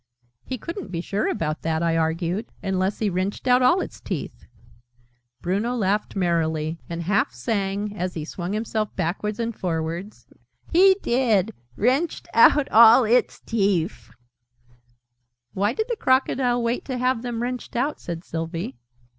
"He couldn't be sure about that," I argued, "unless he wrenched out all its teeth." Bruno laughed merrily, and half sang, as he swung himself backwards and forwards, "He did wrenched out all its teef!" "Why did the Crocodile wait to have them wrenched out?" said Sylvie.